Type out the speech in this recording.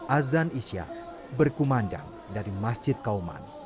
azan isya berkumandang dari masjid kauman